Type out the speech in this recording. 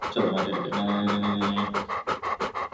He then picked up two enemy rifles and fired those too.